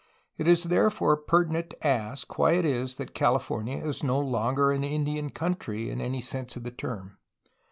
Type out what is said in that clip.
It is therefore pertinent to ask why it is that California is no longer an Indian country in any sense of the term.